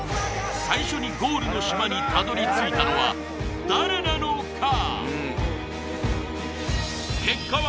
最初にゴールの島にたどり着いたのは誰なのか？